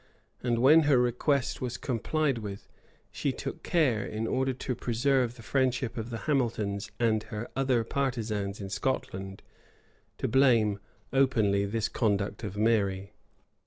[] And when her request was complied with, she took care, in order to preserve the friendship of the Hamiltons and her other partisans in Scotland, to blame openly this conduct of Mary.